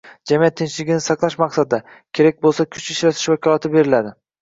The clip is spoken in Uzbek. jamiyat tinchligini saqlash maqsadida, kerak bo‘lsa kuch ishlatish vakolati beriladi